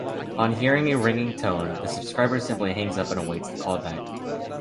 On hearing a ringing tone, the subscriber simply hangs up and awaits the callback.